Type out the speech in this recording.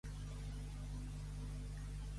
Fill de set pares!